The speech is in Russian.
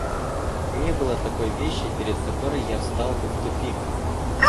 Не было такой вещи, перед которой я встал бы в тупик.